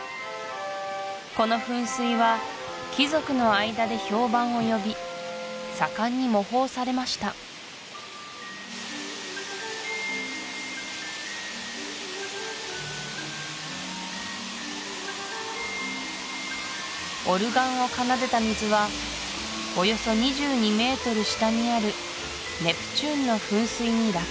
この噴水は貴族の間で評判を呼び盛んに模倣されましたオルガンを奏でた水はおよそ２２ｍ下にあるネプチューンの噴水に落下